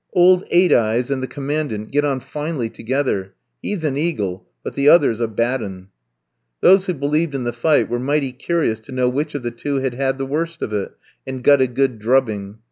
"Old Eight eyes and the Commandant get on finely together! He's an eagle; but the other's a bad 'un!" Those who believed in the fight were mighty curious to know which of the two had had the worst of it, and got a good drubbing.